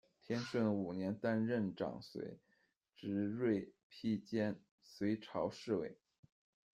天顺五年，担任长随，执锐披坚，随朝侍卫。